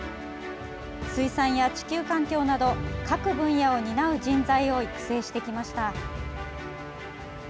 水産や地球環境など各分野を担う人材を育成してきました。